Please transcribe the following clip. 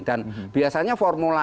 dan biasanya formula